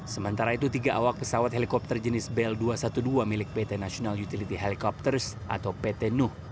sementara itu tiga awak pesawat helikopter jenis bel dua ratus dua belas milik pt national utility helikopters atau pt nuh